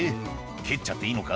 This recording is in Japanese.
「蹴っちゃっていいのか？